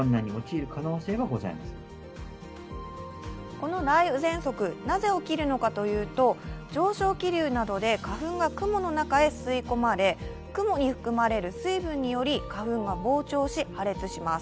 この雷雨ぜんそく、なぜ起きるのかというと上昇気流などで花粉が雲の中へ吸い込まれ、雲に含まれる水分により花粉が膨張し破裂します。